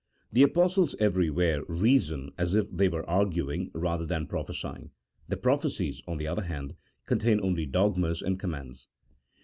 The Apostles everywhere reason as if they were arguing rather than prophesying ; the prophecies, on the other hand, contain only dogmas and commands.